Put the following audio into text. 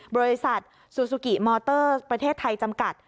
บริษัทซูซูกิมอเตอร์ประเทศไทยจำกัด